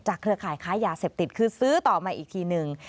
เครือข่ายค้ายาเสพติดคือซื้อต่อมาอีกทีนึง